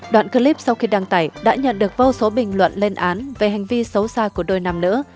đoạn clip sau khi đăng tải đã nhận được vô số bình luận lên án về hành vi xấu xa của đôi nam nữ